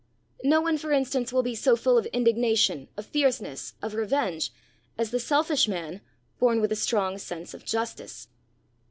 No one, for instance, will be so full of indignation, of fierceness, of revenge, as the selfish man born with a strong sense of justice.